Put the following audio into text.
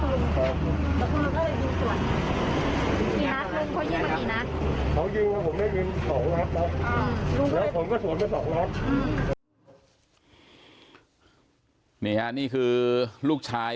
ก็ได้รู้สึกว่ามันกลายเป้าหมายและมันกลายเป้าหมาย